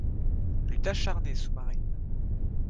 Lutte acharnée sous-marine.